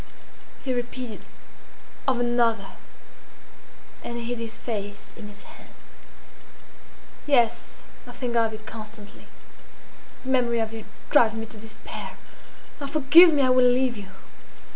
He repeated, "of another!" And he hid his face in his hands. "Yes, I think of you constantly. The memory of you drives me to despair. Ah! forgive me! I will leave you!